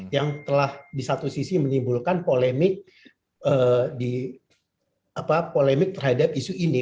yang telah di satu sisi menimbulkan polemik di polemik terhadap isu ini